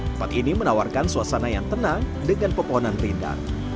tempat ini menawarkan suasana yang tenang dengan pepohonan rindang